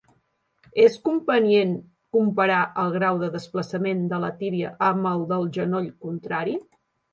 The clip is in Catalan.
És convenient comparar el grau de desplaçament de la tíbia amb el del genoll contrari.